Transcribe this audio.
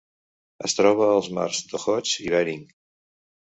Es troba als mars d'Okhotsk i Bering.